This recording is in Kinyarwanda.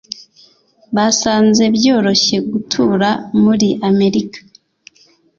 basanze byoroshye gutura muri amerika